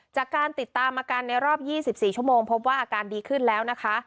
จากการติดตามอาการในรอบ๒๔ชั่วโมงพบว่าอาการดีขึ้นแล้วนะคะ